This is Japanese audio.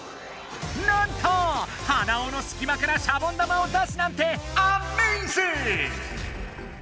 なんとはなおのすき間からシャボン玉を出すなんてアメージング！